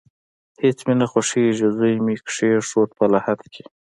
هیڅ مې نه خوښیږي، زوی مې کیښود په لحد کې